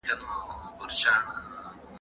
هغې په ډېره مینه زما سترګو ته وکتل.